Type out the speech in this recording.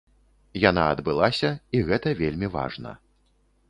Яна адбылася і гэта вельмі важна.